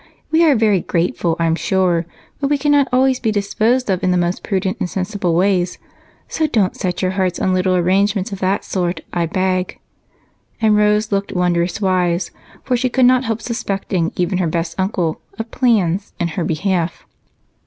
We are very grateful, I'm sure, but we cannot always be disposed of in the most prudent and sensible way, so don't set your hearts on little arrangements of that sort, I beg," And Rose looked wondrous wise, for she could not help suspecting even her best uncle of "plans" in her behalf.